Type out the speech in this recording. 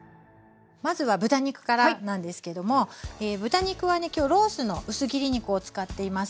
まずは豚肉からなんですけども豚肉はね今日ロースの薄切り肉を使っています。